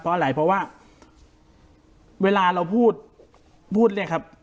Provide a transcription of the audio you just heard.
เพราะอะไรเพราะว่าเวลาเราพูดพูดเนี่ยครับ